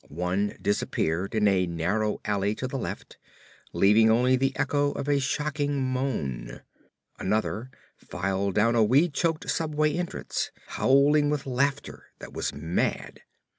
One disappeared in a narrow alley to the left, leaving only the echo of a shocking moan. Another filed down a weed choked subway entrance, howling with a laughter that was mad.